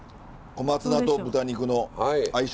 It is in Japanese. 小松菜と豚肉の相性